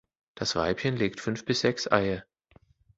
Das Weibchen legt fünf bis sechs Eier.